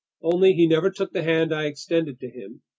Only, he never took the hand I extended to him.